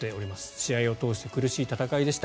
試合を通して苦しい戦いでした。